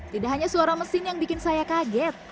tidak hanya suara mesin yang bikin saya kaget